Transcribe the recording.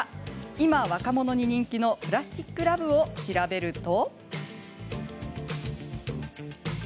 今、若者に人気の「プラスティック・ラヴ」を調べると。